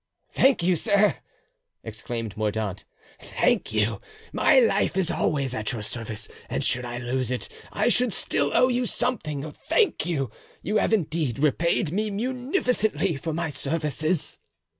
"Thank you, sir!" exclaimed Mordaunt, "thank you; my life is always at your service, and should I lose it I should still owe you something; thank you; you have indeed repaid me munificently for my services."